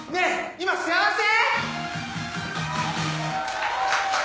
今幸せ？